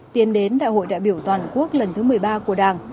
tiến đến đại hội đại biểu toàn quốc lần thứ một mươi ba của đảng